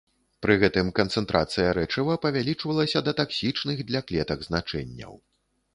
Пры гэтым канцэнтрацыя рэчыва павялічвалася да таксічных для клетак значэнняў.